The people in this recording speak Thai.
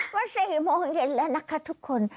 ว่า๔โมงเย็นแล้วนะคะทุกคน